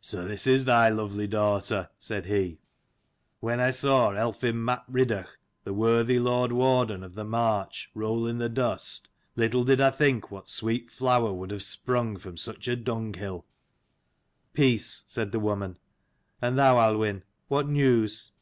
"So this is thy lovely daughter," said he. " When I saw Elphin map Rhydderch, the worthy lord warden of the march, roll in the dust, little did I think what sweet flower would have sprung from such a dunghill." "Peace," said the woman. "And thou, Aluinn, what news?"